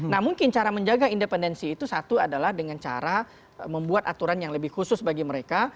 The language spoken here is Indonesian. nah mungkin cara menjaga independensi itu satu adalah dengan cara membuat aturan yang lebih khusus bagi mereka